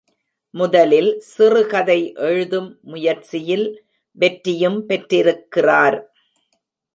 முதலில் சிறுகதை எழுதும் முயற்சியில் வெற்றியும் பெற்றிருக்கிறார்.